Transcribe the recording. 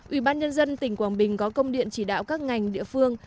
ủy ban nhân dân tỉnh quảng bình có công điện chỉ đạo các ngành địa phương